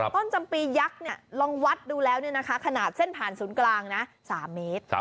ต้นจำปียักษ์ลองวัดดูแล้วขนาดเส้นผ่านศูนย์กลางนะ๓เมตร